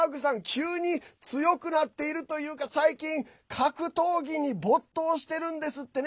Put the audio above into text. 急に強くなってるというか最近、格闘技に没頭してるんですって。